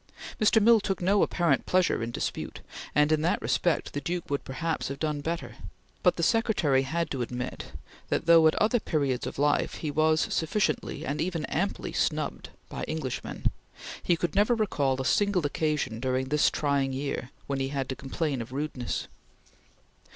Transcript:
Mr. Mill took no apparent pleasure in dispute, and in that respect the Duke would perhaps have done better; but the secretary had to admit that though at other periods of life he was sufficiently and even amply snubbed by Englishmen, he could never recall a single occasion during this trying year, when he had to complain of rudeness.